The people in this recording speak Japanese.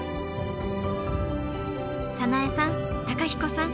早苗さん公彦さん